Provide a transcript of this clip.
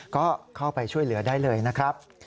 ก็เข้าไปช่วยเหลือได้เลยนะครับ